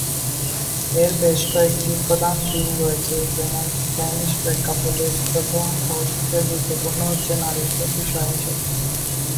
এর বেশ কয়েকটি প্রধান থিম রয়েছে, যেমন স্প্যানিশ প্রেক্ষাপটে প্রথম ও সবচেয়ে গুরুত্বপূর্ণ হচ্ছে নারীর প্রতি সহিংসতা।